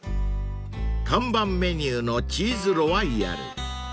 ［看板メニューのチーズロワイヤル］